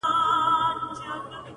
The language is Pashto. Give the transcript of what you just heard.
له حورو نه تېرېږم او وتاته درېږم,